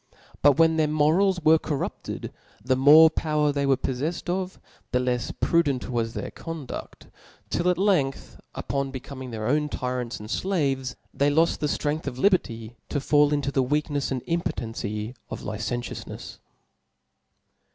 But when their morals were corrupted, the more power they were poflefled of, the lefs prudent was their cqnduft ; till at length,^ upon becoming their own tyrants and flaves, they loft the ftrength of liberty to fall into the weaknefs and impotency of licentioufnefs.